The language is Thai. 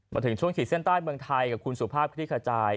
มาถึงช่วงขีดเส้นใต้เมืองไทยกับคุณสุภาพคลิกขจาย